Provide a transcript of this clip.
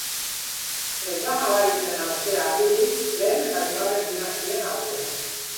Ez da nabaritzen hauste argirik lehen eta bigarren dinastien artean.